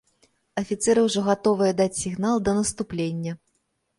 Афіцэры ўжо гатовыя даць сігнал да наступлення.